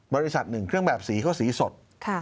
บริษัทหนึ่งเครื่องแบบสีเขาสีสด